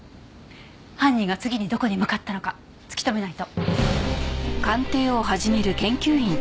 犯人が次にどこに向かったのか突き止めないと。